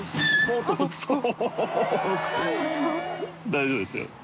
大丈夫ですよ。